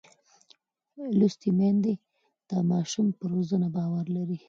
لوستې میندې د ماشوم پر روزنه باور لري.